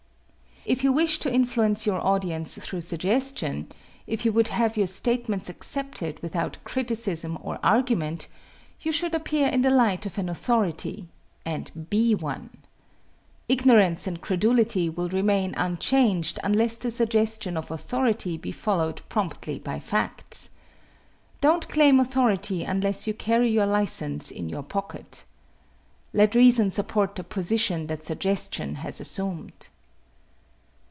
If you wish to influence your audience through suggestion, if you would have your statements accepted without criticism or argument, you should appear in the light of an authority and be one. Ignorance and credulity will remain unchanged unless the suggestion of authority be followed promptly by facts. Don't claim authority unless you carry your license in your pocket. Let reason support the position that suggestion has assumed.